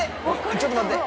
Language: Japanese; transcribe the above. ちょっと待って。